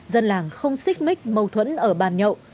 dân làng không xích mích mâu thuẫn ở bàn nhậu